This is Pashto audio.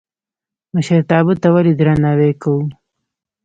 مشرتابه ته ولې درناوی کوو؟